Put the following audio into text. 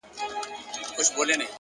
حوصله د وخت ملګرې ده.